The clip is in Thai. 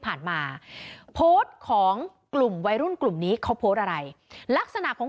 ผ่านมาโพสต์ของกลุ่มวัยรุ่นกลุ่มนี้เขาโพสต์อะไรลักษณะของ